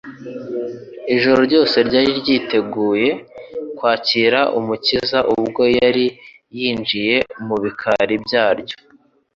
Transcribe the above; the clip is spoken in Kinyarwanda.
Ijuru ryose ryari ryiteguye kwakira Umukiza ubwo yari yinjiye mu bikari byaryo.